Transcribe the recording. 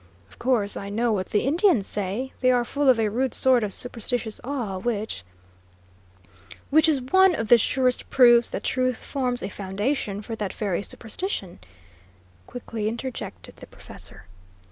"Of course, I know what the Indians say; they are full of a rude sort of superstitious awe, which " "Which is one of the surest proofs that truth forms a foundation for that very superstition," quickly interjected the professor.